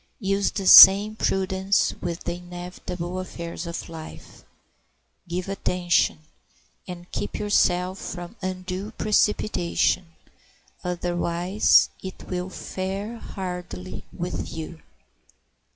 Use the same prudence with the inevitable affairs of life; give attention, and keep yourself from undue precipitation, otherwise it will fare hardly with you.